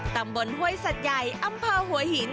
ห้วยสัตว์ใหญ่อำเภอหัวหิน